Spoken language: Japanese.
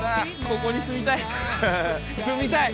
ここに住みたい。